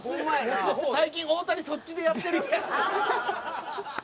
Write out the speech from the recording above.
最近、大谷そっちでやってる？